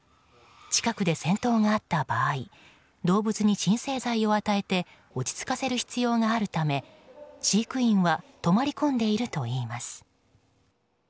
近くで戦闘があった場合動物に鎮静剤を与えて落ち着かせる必要があるため飼育員は泊まり込んでいるといいます。